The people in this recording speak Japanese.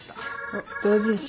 おっ同人誌？